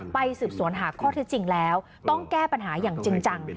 ไปสืบสวนหาข้อเท็จจริงแล้วต้องแก้ปัญหาอย่างจริงจัง